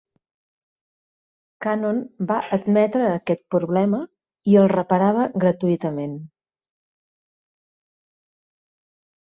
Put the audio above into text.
Canon va admetre aquest problema i el reparava gratuïtament.